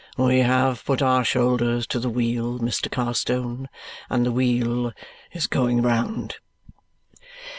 We have put our shoulders to the wheel, Mr. Carstone, and the wheel is going round."